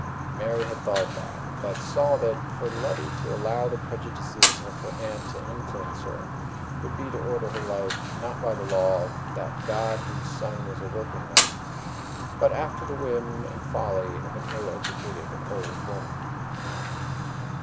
Mary had thought of that, but saw that, for Letty to allow the prejudices of her aunt to influence her, would be to order her life not by the law of that God whose Son was a workingman, but after the whim and folly of an ill educated old woman.